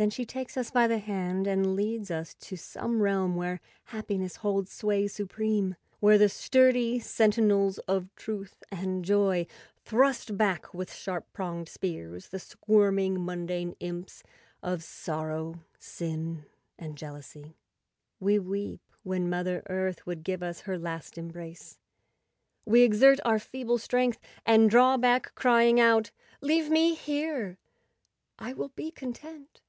Then she takes us by the hand and leads us to some realm where happiness holds sway supreme; where the sturdy sentinels of Truth and Joy thrust back with sharp pronged spears the squirming mundane imps of Sorrow, Sin, and Jealousy. We weep when Mother Earth would give us her last embrace; we exert our feeble strength and draw back, crying out, ''Leave me here; I will be con¬ tent."